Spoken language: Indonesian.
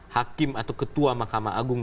hakim atau ketua mahkamah agung